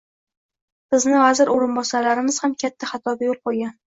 Bizni Vazir oʻrinbosarimiz ham katta xatoga yoʻl qoʻygan.